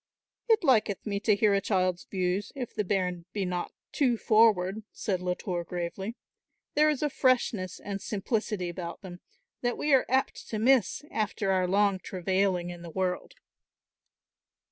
"It liketh me to hear a child's views, if the bairn be not too forward," said Latour gravely. "There is a freshness and simplicity about them that we are apt to miss after our long travailing in the world."